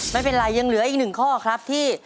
ไม่เป็นไรยังเหลืออีกหนึ่งข้อครับที่